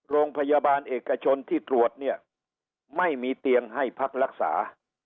โรงพยาบาลเอกชนที่ตรวจเนี่ยไม่มีเตียงให้พักรักษา